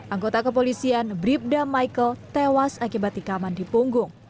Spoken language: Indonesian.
anggota kepolisian bribda michael tewas akibat ikaman di punggung